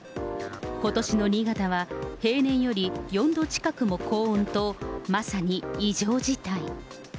ことしの新潟は、平年より４度近くも高温と、まさに異常事態。